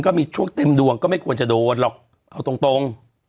แต่ช่วงเต็มดวงไม่ควรจะโดน